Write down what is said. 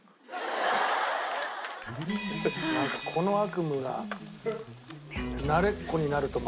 なんかこの悪夢が慣れっこになるとまずい。